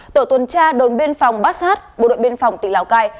tổ tuần tra đồn biên phòng bassat bộ đội biên phòng tỉnh lào cai